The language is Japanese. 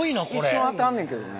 一瞬当たんねんけどね。